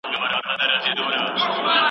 انګریزان شاه شجاع ته کالي ورکوي.